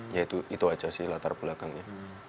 ya itu aja sih latar belakangnya